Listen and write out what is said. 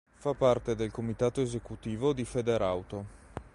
Fa parte del Comitato Esecutivo di Federauto.